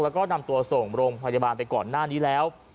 แล้วก็นำตัวส่งโรงพยาบาลไปก่อนหน้านี้แล้ว